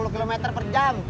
empat puluh km per jam